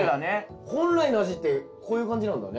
本来の味ってこういう感じなんだね。